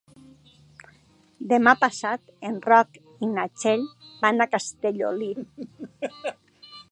Demà passat en Roc i na Txell van a Castellolí.